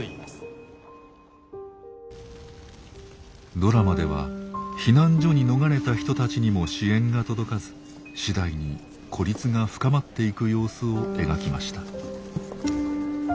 ドラマでは避難所に逃れた人たちにも支援が届かず次第に孤立が深まっていく様子を描きました。